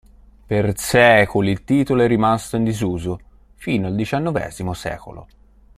Per secoli il titolo è rimasto in disuso, fino al diciannovesimo secolo.